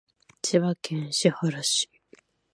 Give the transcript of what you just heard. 千葉県市原市